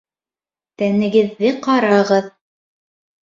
Тәнегеҙҙе ҡарағыҙ!